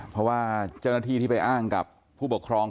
เพราะว่าเจ้าหน้าที่ที่ไปอ้างกับผู้ปกครอง